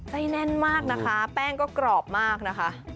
แน่นมากนะคะแป้งก็กรอบมากนะคะ